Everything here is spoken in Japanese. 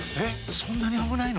そんなに危ないの？